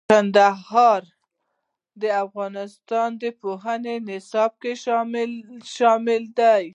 کندهار د افغانستان د پوهنې نصاب کې شامل دي.